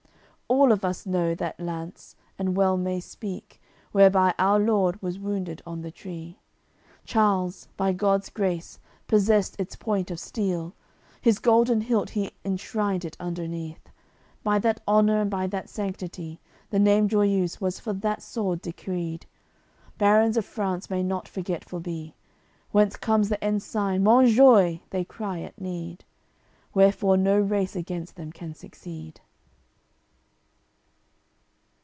All of us know that lance, and well may speak Whereby Our Lord was wounded on the Tree: Charles, by God's grace, possessed its point of steel! His golden hilt he enshrined it underneath. By that honour and by that sanctity The name Joiuse was for that sword decreed. Barons of France may not forgetful be Whence comes the ensign "Monjoie," they cry at need; Wherefore no race against them can succeed.